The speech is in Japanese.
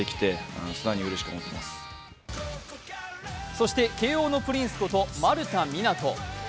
そして慶応のプリンスこと丸田湊斗。